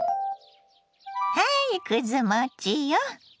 はいくず餅よ。